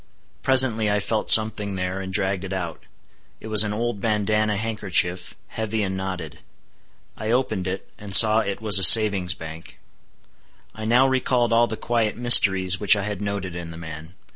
Presently I felt something there, and dragged it out. It was an old bandanna handkerchief, heavy and knotted. I opened it, and saw it was a savings' bank. I now recalled all the quiet mysteries which I had noted in the man.